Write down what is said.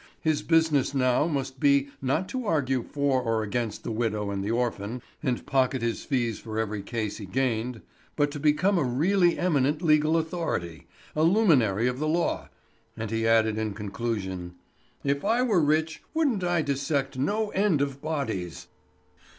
His business now must be not to argue for or against the widow and the orphan, and pocket his fees for every case he gained, but to become a really eminent legal authority, a luminary of the law. And he added in conclusion: "If I were rich wouldn't I dissect no end of bodies!"